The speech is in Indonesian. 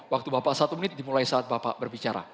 waktu bapak satu menit dimulai saat bapak berbicara